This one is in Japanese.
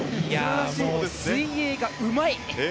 もう水泳がうまい！